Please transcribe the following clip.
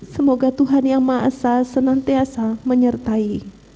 semoga tuhan yang ma'asa senantiasa menyertai